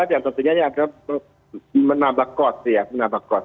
yang tentunya menambah kod